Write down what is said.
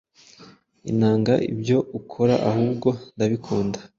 inanga ibyo ukoraAhubwo ndabikunda